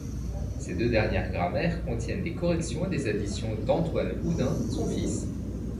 Ces deux dernières grammaires contiennent des corrections et des additions d'Antoine Oudin, son fils.